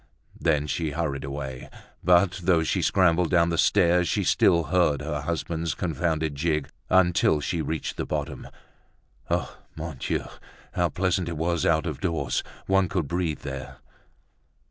Then she hurried away. But though she scrambled down the stairs, she still heard her husband's confounded jig until she reached the bottom. Ah! Mon Dieu! how pleasant it was out of doors, one could breathe there!